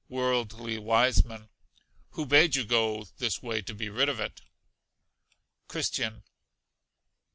Worldly Wiseman. Who bade you go this way to be rid of it? Christian.